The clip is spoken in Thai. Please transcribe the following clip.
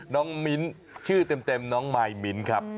มิ้นชื่อเต็มน้องมายมิ้นครับ